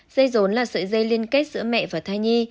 dây rốn là sợi dây liên kết giữa mẹ và thai nhi